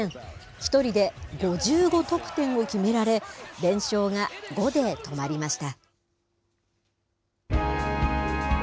１人で５５得点を決められ、連勝が５で止まりました。